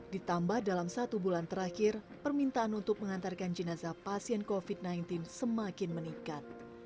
ditambah dalam satu bulan terakhir permintaan untuk mengantarkan jenazah pasien covid sembilan belas semakin meningkat